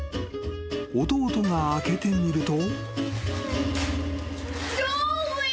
［弟が開けてみると］